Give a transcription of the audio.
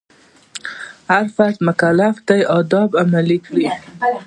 هر فرد مکلف دی آداب عملي کړي.